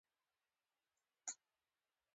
ګرم کالی اړین دي